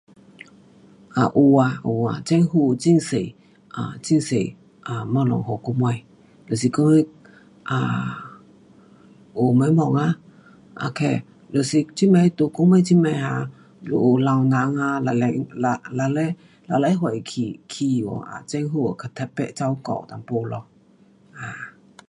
啊，有啊，有啊，政府有很多，啊，很多啊东西给我们，就是我们，啊，有什么啊，k 就是这边，在我们这边 um 就有老人 um 有六十，六十岁起，起 um 政府有特别照顾一点咯。啊